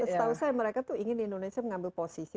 setahu saya mereka tuh ingin indonesia mengambil posisi